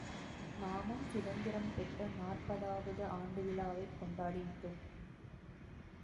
நாமும் சுதந்திரம் பெற்ற நாற்பதாவது ஆண்டு விழாவைக் கொண்டாடி விட்டோம்.